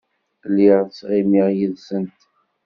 Lliɣ ttɣimiɣ yid-sent.